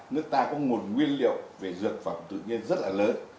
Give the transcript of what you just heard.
nước ta có nguồn nguyên liệu về dược phẩm tự nhiên rất là lớn